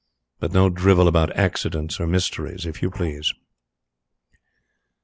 But no drivel about accidents or mysteries, if YOU please."